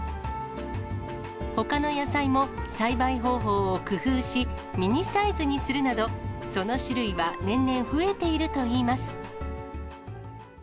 ほかの野菜も、栽培方法を工夫し、ミニサイズにするなど、その種類は年々増えているといいます。